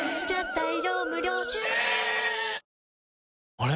あれ？